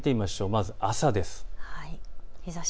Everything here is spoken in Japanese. まず朝です。